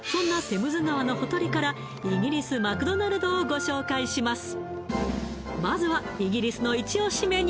テムズ川のほとりからイギリスマクドナルドをご紹介します